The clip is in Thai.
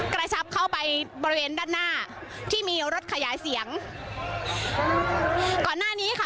กระชับเข้าไปบริเวณด้านหน้าที่มีรถขยายเสียงก่อนหน้านี้ค่ะ